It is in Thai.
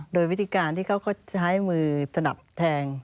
โดยวิธีการที่เขาก็ใช้มือถนับแทง